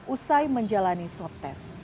usai menjalani swab tes